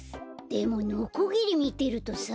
でもノコギリみてるとさあ。